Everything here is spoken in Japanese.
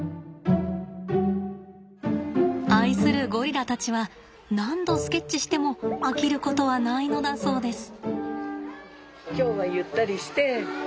愛するゴリラたちは何度スケッチしても飽きることはないのだそうです。